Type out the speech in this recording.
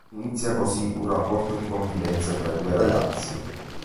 Inizia così un rapporto di confidenza tra i due ragazzi.